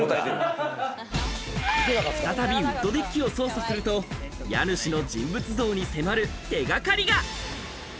再びウッドデッキを捜査すると、家主の人物像に迫る手掛かりが。